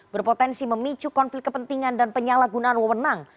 berpotensi memicu konflik kepentingan dan penyalahgunaan wewenang